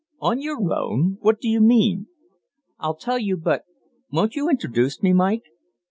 "'On your own'? What do you mean?" "I'll tell you, but won't you introduce me, Mike?"